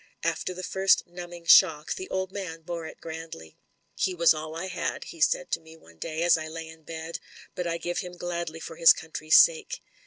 After the first numbing shock, the old man bore it grandly. ''He was all I had," he said to me one day as I lay in bed, "but I give him gladly for his country's sake."